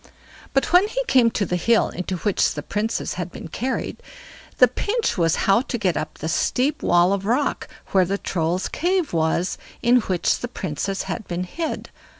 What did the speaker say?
But when he came to the hill into which the Princess had been carried, the pinch was how to get up the steep wall of rock where the Troll's cave was, in which the Princess had been hid.